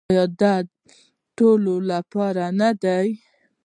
آیا د ټولو لپاره نه دی؟